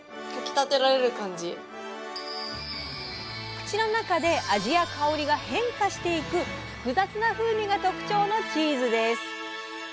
口の中で味や香りが変化していく複雑な風味が特徴のチーズです。